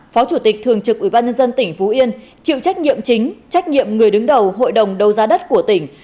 phó chủ tịch thường trực ủy ban nhân dân tỉnh phú yên chịu trách nhiệm chính trách nhiệm người đứng đầu hội đồng đầu giá đất của tỉnh